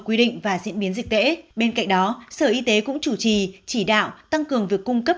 quy định và diễn biến dịch tễ bên cạnh đó sở y tế cũng chủ trì chỉ đạo tăng cường việc cung cấp